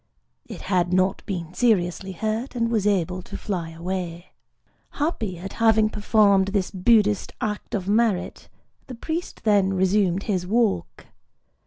It had not been seriously hurt, and was able to fly away. Happy at having performed this Buddhist act of merit, the priest then resumed his walk.